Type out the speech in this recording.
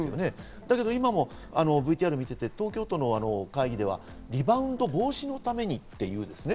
でも今もＶＴＲを見ていて、東京都の会議ではリバウンド防止のためにって言うんですね。